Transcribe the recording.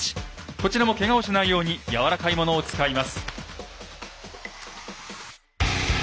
こちらもけがをしないようにやわらかいものを使います。